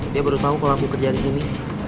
dia baru tau kalau aku kerjaan disini